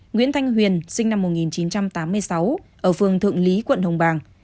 nguyễn thanh huyền sinh năm một nghìn chín trăm tám mươi sáu ở phường thượng lý quận hồng bàng